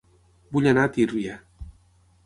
Vull anar a Tírvia